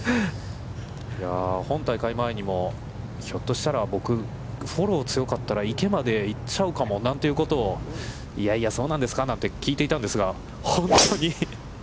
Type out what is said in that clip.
本大会前にもひょっとしたら、僕、フォローが強かったら池まで行っちゃうかもなんてことを、いやいや、そうなんですかなんて聞いていたんですが、本当に。